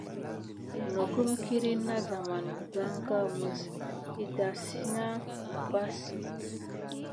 Minokum kirine na zamane higaka mis hidasinat kupasine.